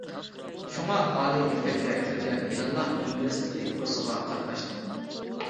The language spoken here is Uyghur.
شۇڭا ئالىي مەكتەپكە كىرگەن يىلىلا ئىنگلىز تىلى كۇرسىغا قاتناشتىم.